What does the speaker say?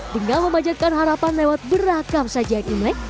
dengan memanjatkan harapan lewat beragam sajian imlek